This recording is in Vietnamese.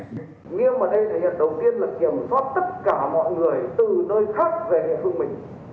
nghiêm ở đây là đầu tiên kiểm soát tất cả mọi người từ nơi khác về địa phương mình